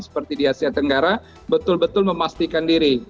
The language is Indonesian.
seperti di asia tenggara betul betul memastikan diri